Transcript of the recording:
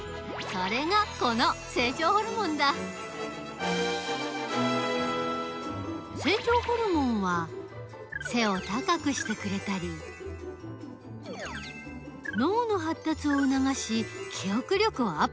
それがこの成長ホルモンだ成長ホルモンは背を高くしてくれたり脳のはったつをうながし記憶力をアップさせたりする。